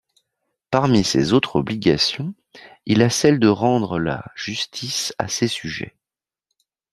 Parmi ses autres obligations, il a celle de rendre la justice à ses sujets.